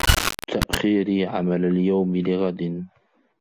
تَأْخِيرِي عَمَلَ الْيَوْمِ لِغَدٍ